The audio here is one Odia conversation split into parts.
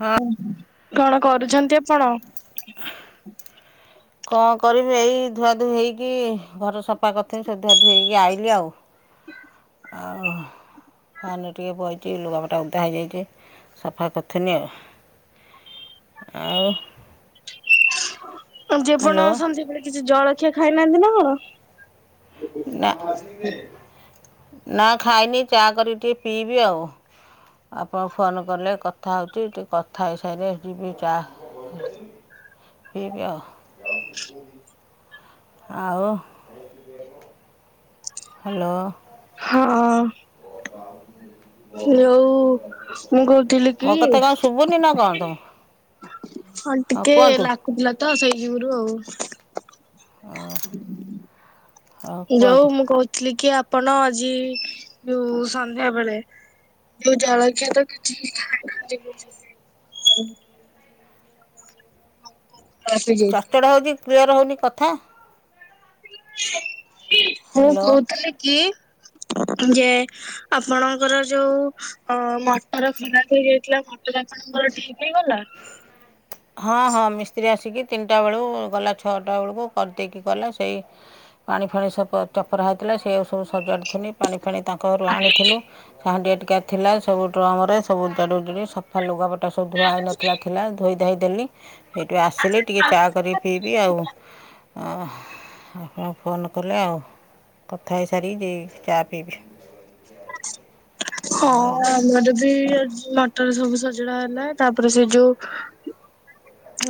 ହଁ। କଣ କରୁଛନ୍ତି ଆପଣ? କଣ କରିବି ଏଇ ଧୁଆଧୁଇ ହେଇକି ଘର ସ ଫା କରୁଥିଲି ସବୁ ଧୁଆ ଧୁଇ ହେଇକି ଆଇଲି ଆଉ ଆଉ ଫାନରେ ଟିକି ବଇଛି ଲୁଗାପଟା ଓଧା ହେଇଯାଇଛି ସଫା କରୁଥିନି ଆଉ ଆଉ। ଯେପଣ ହ୍ୟାଲୋ ଅଛନ୍ତି କିଛି ଜଳଖିଆ ଖାଇନାହାନ୍ତି ନାକଣ? ନା ଆ ନା ଖାଇନି ଚା କରିକି ଟିକେ ପିଇବି ଆଉ। ଆପଣ ଫୋନ କଲେ କଥା ହଉଛି ଟିକେ କଥା ହେଇସାରିଲେ ଯିବି ଚା [inaudible] ପିଇବିଆଉ। [inaudible] ଆଉ। ହ୍ୟାଲୋ। ହଁ ହଁ ଯୋଉ ମୁଁ କହୁଥିଲି ମୋ କି କଥା କଣ ଶୁଭୁନି ନା କଣ ତମକୁ? ହଁ ଟିକେ ଲା ଖୁ ଥିଲା ତ ସେଇ ଯୁଗୁରୁ ଆଉ ହ ଯଉ ମୁଁ କହୁଥିଲି କି ଆପଣ ଆଜି ଯଉ ସନ୍ଧ୍ୟା ବେଳେ ଯୋଉ ଜଳଖିଆ ତ କିଛି ଖାଇ ନାହାନ୍ତି। ରାତି ଚଡ଼ ଯାଇଥିଲା। ଚଡ଼ ହଉଛି, କ୍ଲିୟର ହଉନି କଥା। ମୁଁ ହ୍ୟାଲୋ। କହୁଥିଲି କି, ଯେ ଆପଣଙ୍କର ଯୋଉ ଅ ମଟର ଖରାପ ହେଇଯାଇଥିଲା, ମଟର ଆ ମଟର ଠିକ ହେଇଗଲା। ହଁ, ହଁ ମିସ୍ତ୍ରୀ ଆସିକି ତିନିଟା ବେଳୁ ଗଲା, ଛଅଟା ବେଳକୁ କରିଦେଇକି ଗଲା ସେଇ ପାଣି ଫାଣି ସବ ଚପରା ହେଇଥିଲା, ସେଇଆ ସବୁ ସଜାଡୁଥିଲି, ପାଣି ଫାଣି ତାଙ୍କ ଘରୁ ଆଣିଥିଲୁ। ହାଣ୍ଡି, ଆଟିକା ଥିଲା, ସବୁ ଡ୍ରମରେ ସବୁ ଉଜାଡି ଉଜୁଡି, ସଫା ଲୁଗାପଟା ସବୁ ଧୁଆ ହେଇନଥିଲା ଥିଲା ଧୋଇଦେଲି, ହେଠୁ ଆସିଲି ଟିକେ ଚା କରିକି ପିଇବି ଆଉ। ହଁ ଫୋନ୍ କଲେ, ଆଉ କଥା ହେଇସାରିକି ଯିବି ଚା ପିଇବି। ହଁ। ଆଉ ଆମର ବି ମଟର ସବୁ ସଜଡା ହେଲା, ତାପରେ ସେ ଯୋଉ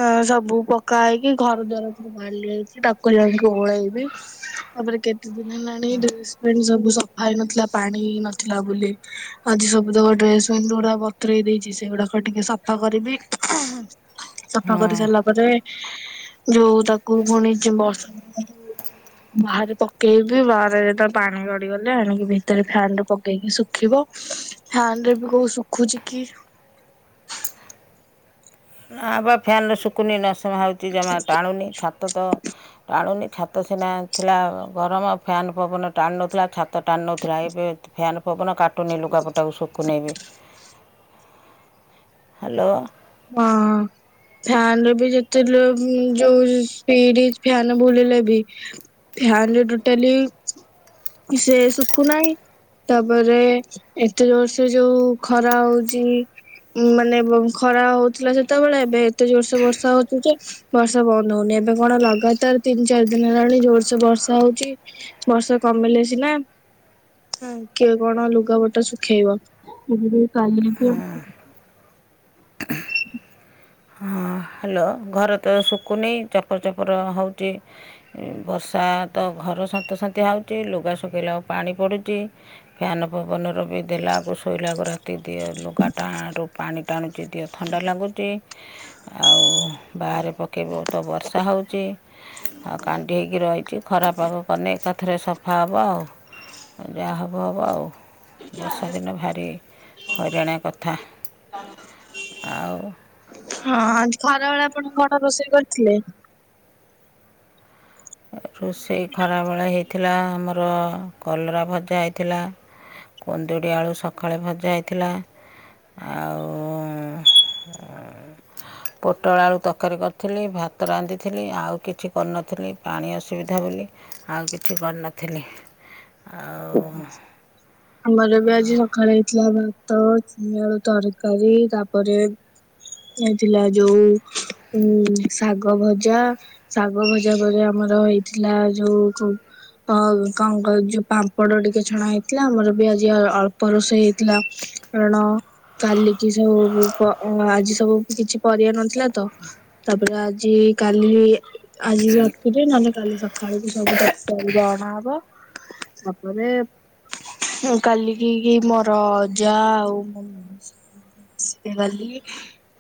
ଅ ସବୁ ପକା ହେଇକି, ଘର ଦ୍ୱାର ସବୁ ବାଲି ହେଇଛି, ତାକୁ ଜାଇକି ଓଳେଇବି। ତାପରେ କେତେ ଦିନି ହେଲାଣି ଡ୍ରେସପେଣ୍ଟ ସବୁ ସଫା ହେଇନଥିଲା, ପାଣି ନଥିଲା ବୋଲି। ଆଜି ସବୁ ତକ ଡ୍ରେସପେଣ୍ଟ ଗୁଡା ବତୁରେଇ ଦେଇଛି, ସେଗୁଡାକ ଟିକେ ସଫା କରିବି। ସଫା ହଁ କରି ସାରିଲା ପରେ, ଯୋଉ ତାକୁ ପୁଣି ବଷ ବାହାରେ ପକେଇବି, ବାହାରେ ଯେ ତା ପାଣି ଗଡିଗଲେ ଆଣିକି ଭିତରେ ଫ୍ୟାନ ରେ ପକେଇକି ଶୁଖିବ। ଫ୍ୟାନ ରେ ବି କୋଉ ଶୁଖୁଛି କି। ନା ବା ଫ୍ୟାନ ରେ ଶୁଖୁନି ନଶମା ହଉଛି ଜମା ଟାଣୁନି। ଛାତ ତ ଟାଣୁନି, ଛାତ ସିନା ଥିଲା ଗରମ, ଫ୍ୟାନ୍ ପବନ ଟାଣୁ ନଥିଲା ଛା ତ ଟାଣି ନଉଥିଲା, ଏବେ ଫ୍ୟାନ୍ ପବନ କା କାଟୁନୀ ଲୁଗାପଟାକୁ, ଶୁକୁନେଇ ବି। ହ୍ୟାଲୋ। ହଁ। ଫ୍ୟାନ ରେ ବି ଯେତେ ଲେ ଯୋଉ ସ୍ପିଡ ଫ୍ୟାନ ବୁଲିଲେ ବି ଫ୍ୟାନରେ ଟୋଟାଲି, ସେ ଶୁଖୁ ନାଇଁ। ତାପରେ ଏତେ ଜୋର୍ଷେ ଯୋଉ ଖରା ହଉଛି ମାନେ ଖରା ହଉଥିଲା ସେତେବେଳେ, ଏବେ ଏତେ ଜୋରଷେ ବର୍ଷା ହଉଛି ଯେ ବର୍ଷା ବନ୍ଦ ହଉନି, ଏବେ କଣ ଲଗାତାର ତିନି, ଚାରି ଦିନ ହେଲାଣି ଜୋରସେ ବର୍ଷା ହଉଛି। ବର୍ଷା କମିଲେ ସିନା। ହ କିଏ କଣ ଲୁଗାପଟା ଶୁଖେଇବ। [unintelligible] ହଁ ହ୍ୟାଲୋ। ଘରେ ତ ଶୁଖନି ଚପର ଚପର ହଉଛି। ବର୍ଷା ତ ଘର ସନ୍ତସନ୍ତିଆ ହଉଛି, ଲୁଗା ଶୁଖେଇଲା ବେଳକୁ ପାଣି ପଡୁଛି। ଫ୍ୟାନ ପବନର ବି ଦେଲାକୁ ଶୁଖୁ ଶୋଇଲାକୁ ରାତି ଦିଅ ଲୁଗା ଟାଣରୁ ପାଣି ଟାଣୁଛି ଦିଅ ଥଣ୍ଡା ଲାଗୁଛି। ଆଉ, ବାହାରେ ପକେଇବ ତ ବର୍ଷା ହଉଛି। ଆଉ କାଣ୍ଟି ହେଇକି ରହିଛି ଖରା ପାଗ କଲେ ଏକାଥରେ ସଫା ହେବ ଆଉ। ଯାହା ହବ ହବ ଆଉ। ବର୍ଷା ଦିନ ଭାରି ହଇରାଣିଆ କଥା ଆଉ। ହଁ, ଆଜି ଖରାବେେଳେ ଆପଣ କଣ ରୋଷେଇ କରିଥିଲେ? ରୋଷେଇ ଖରାବେଳେ ହେଇଥିଲା ଆମର କଲରା ଭଜା ହେଇଥିଲା। କୁନ୍ଦୁରି, ଆଳୁ ସକାଳେ ଭଜା ହେଇଥିଲା। ଆଉ ପୋଟଳ ଆଳୁ ତରକାରୀ କରିଥିଲି, ଭାତ ରାନ୍ଧିଥିଲି, ଆଉ କିଛି କରିନଥିଲି। ପାଣି ଅସୁବିଧା ବୋଲି, ଆଉ କିଛି କରିନଥିଲି। ଆଉ ଆମର ବି ଆଜି ସକାଳେ ହେଇଥିଲା ବା ତ ଛୁଇଁ, ଆଳୁ ତରକାରୀ ତାପରେ ହେଇଥିଲା ଯୋଉ ଉ ଶାଗ ଭଜା। ଶାଗ ଭଜା ପରେ ଆମର ହେଇଥିଲା, ଯୋଉ କ କଣ କ ଯୋଉ ପା ମ୍ପଡ ଟିକେ ଛଣା ହେଇଥିଲା, ଆମର ବି ଆଜି ଅଳ୍ପ ରୋଷେଇ ହେଇଥିଲା। କାରଣ କାଲିକି ସବୁ ପ ଆଜି ସବୁ କିଛି ପରିବା ନଥିଲା ତ ତାପରେ ଆଜି କାଲି ଆଜି ରାତିରେ ନହେଲେ କାଲି ସକାଳକୁ ସବୁ ତାକୁ ପରିବା ଅଣାହବ। ମାନେ କାଲିକ କି ମୋର ଅଜା ଆଉ ମୋ ଗଲି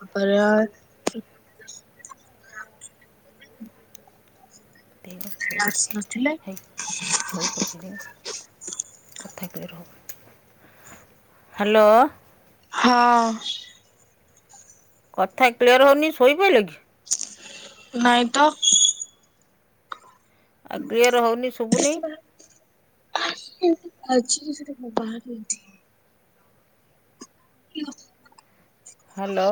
ପର ଆସି ନଥିଲେ। ଶୋଇପଡ଼ିଛି, ଶୋଇପଡ଼ିଛି ହ୍ୟାଲୋ। ହଁ। କଥା କ୍ଲିୟର୍ ହଉନି ଶୋଇପଇଲ କି? ନାଇଁ ତ। ଆଉ କ୍ଲିଅର୍ ହଉନି [inaudible] ଶୁଭୁନି ଆଜି ସେଟା ମୁଁ ବାହାର ନେଇଥିଲି। [unintelligible] ହ୍ୟାଲୋ।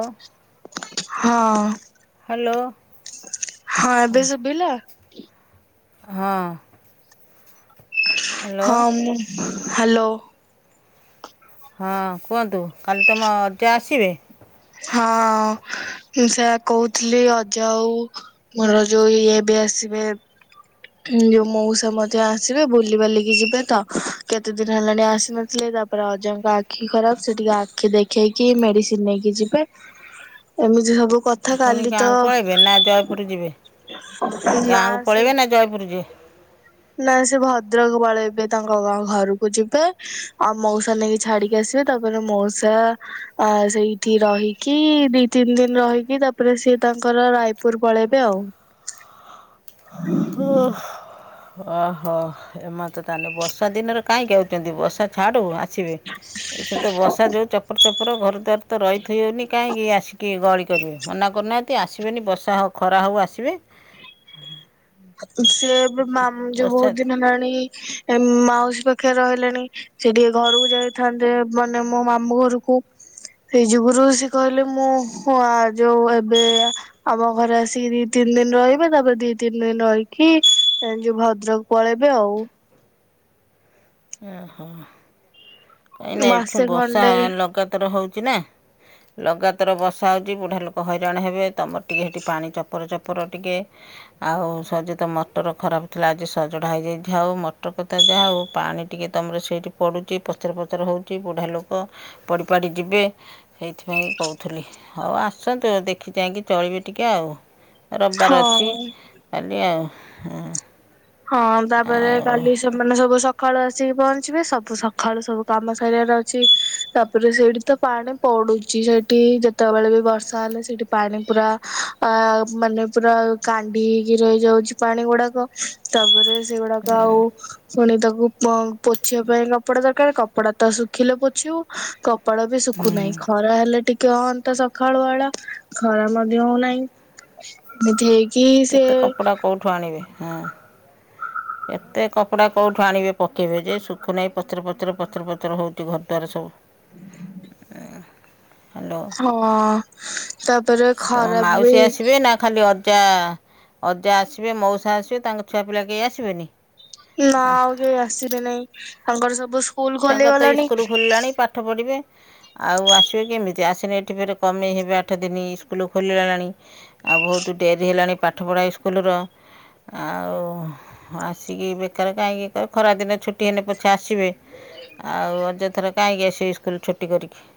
ହଁ ହ୍ୟାଲୋ ହଁ ଏବେ ଶୁଭିଲା? ହଁ। ହ୍ୟାଲୋ ହଁ ମୁଁ ହ୍ୟାଲୋ। ହଁ କୁହନ୍ତୁ କାଲି ତୁମ ଅଜା ଆସିବେ? ହଁ ସେଇଆ କହୁଥିଲି ଅଜା ଆଉ ମୋର ଯଉ ଇଏ ବି ଆସିବେ। ଯୋଉ ମଉସା ମଧ୍ୟ ଆସିବେ ବୁଲି ବାଲିକି ଯିବେ ତ କେତେ ଦିନ ହେଲାଣି ଆସି ନଥିଲେ, ତା ପରେ ଅଜାଙ୍କ ଆଖି ଖରାପ ସେ ଟିକେ ଆଖି ଦେଖେଇକି ମେଡିସିନ ନେଇକି ଯିବେ। ଏମିତି ସବୁ କଥା ପୁଣି କାଲି ତ ଗାଁକୁ ପଳାଇବେ ନା ଜୟପୁର ଯିବେ ନା ଗାଁକୁ ସେ [unintelligible] [inaudible] ନା ସେ ଭଦ୍ରକ ପଳେଇବେ ତାଙ୍କ ଘରକୁ ଯିବେ ଆଉ ମଉସା ନେଇକି ଛାଡିକି ଇକି ଆସିବେ, ତାପରେ ମଉସା ସେଇଠି ରହିକି ଦି ତିନ ଦିନ ରହିକି ତାପ ପରେ ସିଏ ତାଙ୍କର ରାୟପୁର ପଳେଇବେ ଆଉ। ହଁ। ଓହୋ। ଏମାନେ ତ ତାହେନେ ବର୍ଷାଦିନରେ କାହିଁକି ଆଉଚନ୍ତି? ବର୍ଷା ଛାଡ଼ୁ ଆସିବେ। ଏଇଛା ତ ବର୍ଷା ଯୋଉ ଚପର ଚପର, ଘର ଦ୍ୱାର ତ ରହି ଉଥେଇ ହଉନି କାହିଁକି ଆସିକି ଗହଳି କରିବେ। ମନା କରୁନାହାନ୍ତି ଆସିବେନି ବର୍ଷା ହଉ ଖରା ହଉ ଆସିବେ। ସିଏ ଏବେ ମାମ୍ ଯୋଉ ବର୍ଷା ବହୁତ ଦିନ ହେଲାଣି ଏମ୍ ମାଉସୀ ପାଖରେ ରହିଲେଣି ସେ ଟିକେ ଘରକୁ ଯାଇଥାନ୍ତେ ମାନେ ମୋ ମାମୁଁ ଘରକୁ ସେଇ ଯୁଗୁରୁ ସେ କହିଲେ ମୁଁ ଆ ଯୋଉ ଏବେ ଆମ ଘରେ ଆସିକି ଦି ତିନି ଦିନ ରହିବେ, ତାପରେ ଦି ତିନ ତିନ ଦିନ ରହିକି, ଯୋଉ ଭଦ୍ରକ ପଳେଇବେ ଆଉ। ଓହୋ। କାହିଁନା ଏଠୁ ମାସେ ବର୍ଷା ଖଣ୍ଡେ ଲଗାତର ହଉଛି ନା ଲଗାତାର ବର୍ଷା ହଉଛି, ବୁଢ଼ା ଲୋକ ହଇରାଣ ହେବେ, ତମର ଟିକେ ସେଇଠି ପାଣି ଚପର ଚପର ଟିକେ ଆଉ ସହଜେ ତ ମଟର ଖରାପ ଥିଲା ଆଜି ସଜଡା ହେଇଯାଇ ଥାଉ। ମଟର କଥା ଯାହା ହଉ ପାଣି ଟିକେ ତମର ସେଇଠି ପଡ଼ୁଚି, ପଚର ପଚର ହଉଛି, ବୁଢ଼ା ଲୋକ, ପଡ଼ିପାଡ଼ି ଯିବେ ସେଇଥିପାଇଁକି କହୁଥିଲି। ହଉ ଆସନ୍ତୁ, ଦେଖି ଚାହିଁକି ଚଳିବେ ଟିକେ ଆଉ। ରବିବାର ଅଛି, ହଁ। କାଲି ଆଉ। ହଁ, ତାପରେ ଆଉ କାଲି ସେମାନେ ସବୁ ସକ ସକାଳୁ ଆସିକି ପହଞ୍ଚିବେ, ସବୁ ସଖାଳୁ ସବୁ କାମ ସାରିଆର ଅଛି, ତାପରେ ସେଇଠି ତ ପାଣି ପଡୁଚି ସେଠି, ଯେତେବେଳେ ବି ବର୍ଷା ହେଲେ ସେଇଠି ପାଣି ପୁରା ଅ ମାନେ ପୁରା କାଣ୍ଡି ହେଇକି ରହିଯାଉଛି ପାଣି ଗୁଡାକ, ତାପରେ ସେଗୁଡାକ ଆଉ ପୁଣି ତାକୁ ପ-ପୋଛିବା ପାଇଁ କପଡା ଦରକାର, କପଡା ତ ଶୁଖିଲେ ପୋଛିବୁ। କ କପଳା ବି ଶୁଖୁନାହିଁ। ଖରା ହେଲେ ଟିକେ ହଅନ୍ତା ସଖାଳ ବେଳା, ଖରା ମଧ୍ୟ ହଉନାହିଁ। ଏନ୍ତି ହେଇକି ସେ କେତେ କପଡ଼ା କୋଉଠୁ ଆଣିବେ? ହଁ। ହଁ କେତେ କପଡ଼ା କୋଉଠୁ ଆଣିବେ ପକେଇବେ ଯେ, ଶୁଖୁ ନାହିଁ ପଚର, ପଚର, ପଚର, ପଚର ହଉଛି ଘରଦ୍ୱାର ସବୁ। ଉଁ ହ୍ୟାଲୋ। ହଁ, ତାପରେ ତମ ଖରାପ ମାଉସୀ ବି ଆସିବେ ନା ଖାଲି ଅଜା, ଅଜା ଆସିବେ, ମଉସା ଆସିବେ, ତାଙ୍କ ଛୁଆ ପିଲା କେହି ଆସିବେନି? ନା ଆଉ କେହି ଆସିବେନେଇ। ତାଙ୍କର ସବୁ ସ୍କୁ ତାଙ୍କର ତ ଇସ୍କୁଲ ଖୋଲିଲାଣି ପାଠ ପଢ଼ିବେ ଆଉ ଆସିବେ କେମିତି? ଆସିନେ ଇଠି ଫେର କମେଇ ହେବେ ଆଠ ଦିନ ସ୍କୁଲ ଖୋଲିଲାଲାଣି ଆଉ ବହୁତୁ ଡେରି ହେଲାଣି ପାଠପଢ଼ା ଇସ୍କୁଲୁର। ଆଉ ଆସିକି ବେକାର କାହିଁକି, ଏ ଖରାଦିନେ ଛୁଟି ହେଲେ ପଛେ ଆସିବେ। ଆଉ ଅଯଥାର କାହିଁକି ଆସିବେ, ଇସ୍କୁଲ ଛୁଟି କରିକି।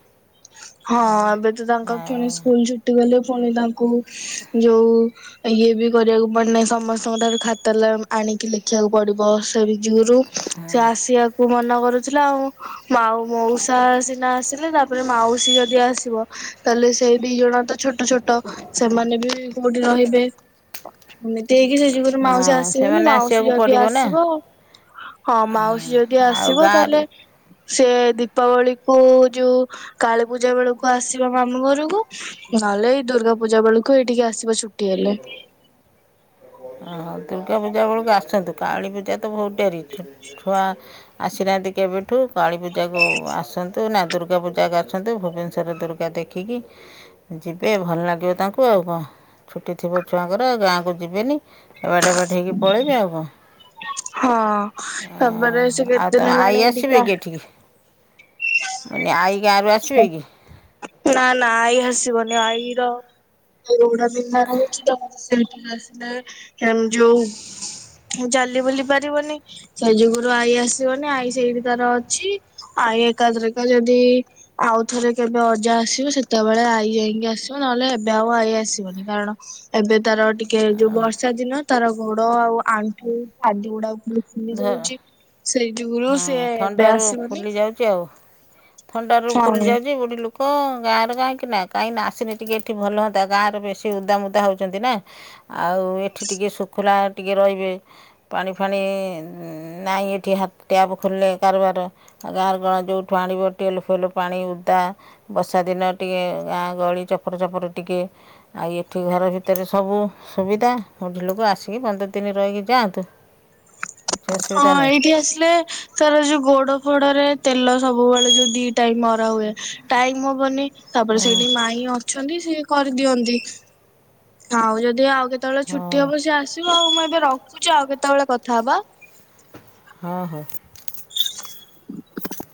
ହଁ, ଏବେ ତ ତାଙ୍କ ଫୁଣି ଆଉ ସ୍କୁଲ ଛୁଟି କଲେ ଫୁଣି ତାଙ୍କୁ ଯୋଉ ଇଏ ବି କରିବାକୁ ପଡେନାହିଁ। ସମସ୍ତଙ୍କଠାରୁ ଖାତା ଲ ଆଣିକି ଲେଖିବାକୁ ପଡ଼ିବ, ସେଇବି ଯୁଗୁରୁ ସେ ଆସିଆକୁ କୁ ମନ କରୁଥିଲା ଆଉ। ମାଉ ମଉସା ସିନା ଆସିଲେ ତାପରେ ମାଉ ସୀ ଯଦି ଆସିବ, ତାହେଲେ ସେଇ ଦି ଜଣ ତ ଛୋଟ ଛୋଟ ଟ, ସେମାନେ ବି କୋଉଠି ରହିବେ? ଏମତି ହେଇକି, ସେଇ ଯୁଗୁରୁ ମାଉସୀ ହଁ ଆସିବନି। ସେମାନେ ମାଉସୀ ଆସିବାକୁ ଯଦି ପଡ଼ିବ ନା ଆସିବ ହଁ, ମାଉସୀ ଯଦି ଆଉ ଆସିବ, ଗାଁରୁ ତାହେଲେ ସେ ଦୀପାବଳିକୁ ଯୋଉ କାଳୀ ପୂଜା ବେଳକୁ ଆସିବା ମାମୁଁଘରକୁ ନହେଲେ ଏଇ ଦୁର୍ଗା ପୂଜା ବେଳକୁ ଏଇଠିକି ଆସିବ ଛୁଟି ହେଲେ। ହଁ, ଦୁର୍ଗା ପୂଜା ବେଳକୁ ଆସନ୍ତୁ, କାଳୀ ପୂଜା ତ ବହୁତ ଡେରି। ଛୁଆ ଆସିନାହାଁନ୍ତି କେବେଠୁ, କାଳୀ ପୂଜାକୁ ଆସନ୍ତୁ ନା ଦୁର୍ଗା ପୂଜାକୁ ଆସନ୍ତୁ, ଭୁବନେଶ୍ଵରରେ ଦୁର୍ଗ ର୍ଗା ଦେଖିକି ଯିବେ ଭଲ ନାଗିବ ତାଙ୍କୁ ଆଉ କଣ। ଛୁଟି ଥିବ ଛୁଆଙ୍କର ଆଉ ଗାଁକୁ ଯିବେନି, ଏବାଟେ ଏବାଟ ହେଇକି ପଳେଇବେ ଆଉ କଣ। ହଁ ତମର ସେ ଆଉ କେତେ ତମ ଦିନ ଆଈ ହେଲାଣି ଏ ଆସିବେ ଟିକି କି ଏଠିକି ମାନେ ଆଇ ଗାଁରୁ ଆସିବେ କି? ନା ନା ଆଈ ଆସିବନି ଆଈର ଗୋ - ବିଧା ରହୁଛି ତ [unintelligible] ସେଇଠି ଆସିଲାମ ଯୋଉ ଚାଲି ବୁଲି ପାରିବନି ସେ ଯୁଗରୁ ଆଈ ଆସିବନି ଆଈ ସେଇଠି ତାର ଅଛି ଆଈ ଏକା ଥରକେ ଯଦି ଆଉଥରେ କେବେ ଆ - ଯାହା ଆସିବ ସେତେବେଳେ ଆଈ ଯାଇକି ଆସିବ ନହେଲେ ଏବେ ଆଉ ଆଈ ଆସିବନି କାରଣ ଏବେ ତାର- ଟିକେ ଯୋଉ ବର୍ଷା ଦିନ ତାର ଗୋଡ ଆଉ ଆଣ୍ଠୁ ଆଦି ଗୁଡାକ [unintelligible] ଧ ଯାଉଛି ସେଇ ଯୁଗରୁ ହଁ ସିଏ ଏବେ ଥଣ୍ଡାରୁ ଆସିବନି ଫୁଲି ଯାଉଛି ଆଉ ଥଣ୍ଡାରୁ ଫୁଲି ହଁ ଯାଉଛି ଗୋଟେ ଲୋକ- କଣ ଗାଁରେ କାହିଁକି ନା କାହିଁକି ନା ଆସିନି ଟିକେ ଏଠି ଭଲ ହୁଅନ୍ତା ଗାଁରେ ବେଶୀ ଉଦାମୁଦା ହଉଛନ୍ତି ନା ଆଉ ଏଠି ଟିକେ ଶୁଖୁିଲା ଟିକେ ରହିବେ ପାଣି ଫାଣି- ନାଇଁ ଏଠି ହାତ ଟ୍ୟାପ୍ ଖୋଲିଲେ କାରବାର ଆଉ ଗାଁରେ ଗଳା ଯେଉଁଠୁ ଆଣିବ ଟିଏଲ ଫେଲ ପାଣି ଓଦା ବର୍ଷା ଦିନ ଟିକେ ଗାଁ ଗହଳି ଝପର ଝପର ଟିକେ ଆଉ ଏଠି ଘର ଭିତରେ ସବୁ ସୁବିଧା ବୁଢିଲୋକ ଆସିକି ପନ୍ଦର ଦିନ ରହିକି ଯାଆନ୍ତୁ କିଛି ହଁ ଅସୁବିଧା ନାହିଁ ଏଇଠି ଆସିଲେ ତାର ଯୋଉ ଗୋଡ ଫୋଡରେ ତେଲ ସବୁବେଳେ ଯୋଉ ଦି- ଟାଇମ ମରା ହୁଏ ଟାଇମ ହବନି ହଁ ତାପରେ ସେଇଠି ମାଇଁ ଅଛନ୍ତି ସିଏ କରିଦିଅନ୍ତି ଆଉ ଯଦି ଆଉ କେତେବେଳେ ଛୁଟି ହଉ ହବ ସିଏ ଆସିବ ଆଉ ମୁଁ ଏବେ ରଖୁଛି ଆଉ କେତେବେଳେ କଥା ହବା ହଁ ହଁ [unintelligible]